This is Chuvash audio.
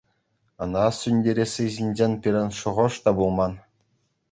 Ӑна сӳнтересси ҫинчен пирӗн шухӑш та пулман.